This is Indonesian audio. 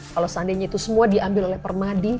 kalau seandainya itu semua diambil oleh permadi